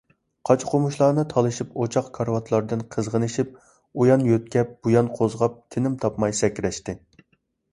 قاچا - قومۇچلارنى تالىشىپ، ئوچاق، كارىۋاتلاردىن قىزغىنىشىپ، ئۇيان يۆتكەپ - بۇيان قوزغاپ، تىنىم تاپماي سەكرەشتى.